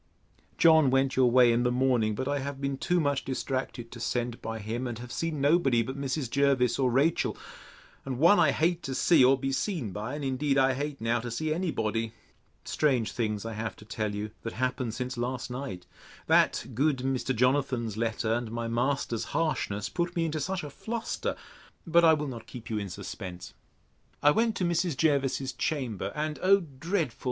John went your way in the morning; but I have been too much distracted to send by him; and have seen nobody but Mrs. Jervis or Rachel, and one I hate to see or be seen by and indeed I hate now to see any body. Strange things I have to tell you, that happened since last night, that good Mr. Jonathan's letter, and my master's harshness, put me into such a fluster; but I will not keep you in suspense. I went to Mrs. Jervis's chamber; and, O dreadful!